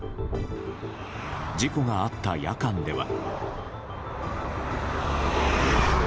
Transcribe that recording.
事故があった夜間では。